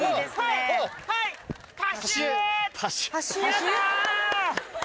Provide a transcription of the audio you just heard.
やった！